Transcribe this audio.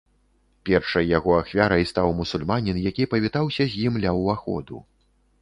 Першай яго ахвярай стаў мусульманін, які павітаўся з ім ля ўваходу.